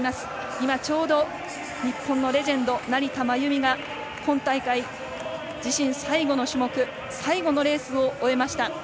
今ちょうど、日本のレジェンド成田真由美が今大会自身最後の種目最後のレースを終えました。